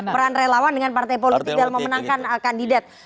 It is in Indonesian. peran relawan dengan partai politik dalam memenangkan kandidat